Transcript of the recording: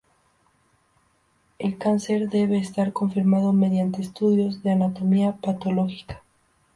El cáncer debe estar confirmado mediante estudios de anatomía patológica.